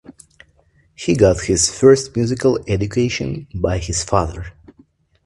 He got his first musical education by his father.